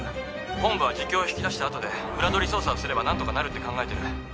本部は自供を引き出した後で裏取り捜査をすれば何とかなるって考えてる。